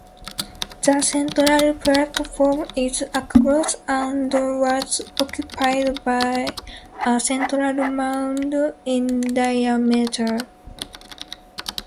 The central platform is across and was occupied by a central mound in diameter.